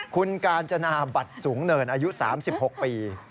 คุณกาญจนาบัตรสูงเนินอายุ๓๖ปี